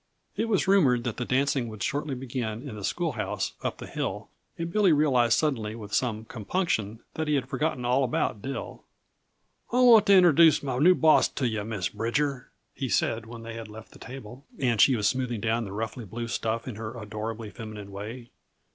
It was rumored that the dancing would shortly begin in the schoolhouse up the hill, and Billy realized suddenly with some compunction that he had forgotten all about Dill. "I want to introduce my new boss to yuh, Miss Bridger," he said when they had left the table and she was smoothing down the ruffly blue stuff in an adorably feminine way.